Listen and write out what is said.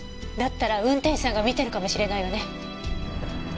だったら運転手さんが見てるかもしれないわね。